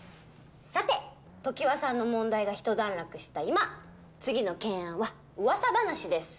さて常盤さんの問題がひと段落した今次の懸案はうわさ話です